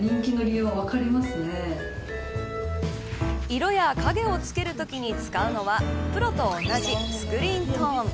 色や影をつけるときに使うのはプロと同じスクリーントーン。